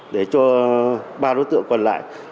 để cho ba đối tượng còn lại